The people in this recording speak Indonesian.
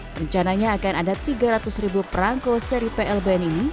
rencananya akan ada tiga ratus ribu perangko seri plbn ini